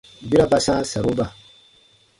Bera ba sãa saroba.